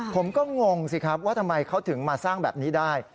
ผมก็งงสิครับว่าทำไมเขาถึงมาสร้างแบบนี้ได้